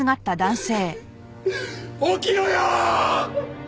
起きろよー！！